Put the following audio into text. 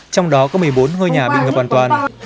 trong đó có một mươi bốn ngôi nhà bị ngập hoàn toàn